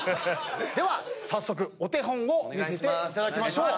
では早速お手本を見せていただきましょう。